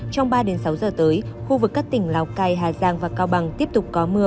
trong ba sáu giờ tới khu vực các tỉnh lào cai hà giang và cao bằng tiếp tục có mưa